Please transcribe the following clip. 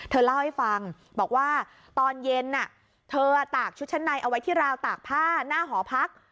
เธอเล่าให้ฟังบอกว่าตอนเย็นเธอตากชุดชั้นในเอาไว้ที่ราวตากผ้าหน้าหอพัก